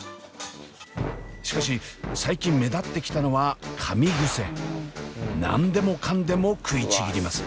しかし最近目立ってきたのは何でもかんでも食いちぎります。